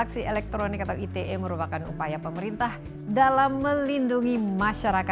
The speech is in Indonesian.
terima kasih banyak